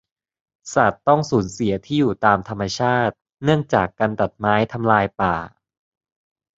สัตว์ต้องสูญเสียที่อยู่ตามธรรมชาติ เนื่องจากการตัดไม้ทำลายป่า